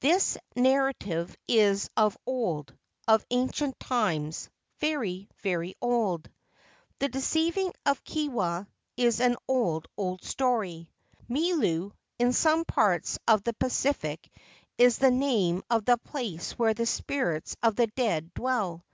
"This narrative is of old, of ancient times, very, very old. 'The Deceiving of Kewa' is an old, old story." Milu in some parts of the Pacific is the name of the place where the spirits of the dead dwell.